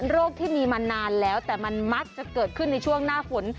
ที่มีมานานแล้วแต่มันมักจะเกิดขึ้นในช่วงหน้าฝน